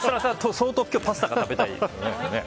相当今日パスタが食べたい。